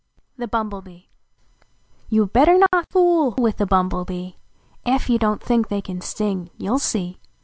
THE BUMBLEBEE Y They OU better not fool with a Bumblebee ! Ef you don t think they can sting you ll see!